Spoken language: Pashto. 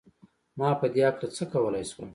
ما په دې هکله څه کولای شول؟